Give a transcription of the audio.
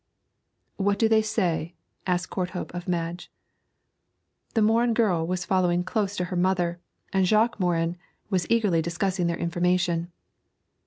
'What do they say?' asked Courthope of Madge. The Morin girl was following close to her mother, and Jacques Morin was eagerly discussing their information.